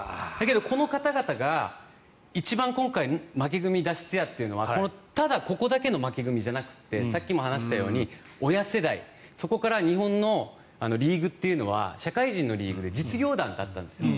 どこの方々が一番今回負け組脱出やというのはただここだけの負け組じゃなくてさっきも話したように親世代そこから日本のリーグというのは社会人のリーグで実業団だったんですね。